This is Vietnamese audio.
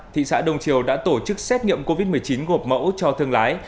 thị xã đông triều đã tổ chức xét nghiệm covid một mươi chín gộp mẫu cho thương lái